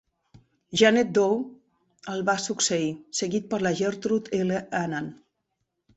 Janet Doe el va succeir, seguit per la Gertrude L. Annan.